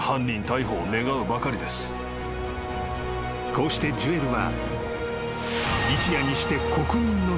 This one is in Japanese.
［こうしてジュエルは］